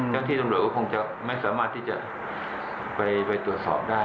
เจ้าที่ตำรวจก็คงจะไม่สามารถที่จะไปตรวจสอบได้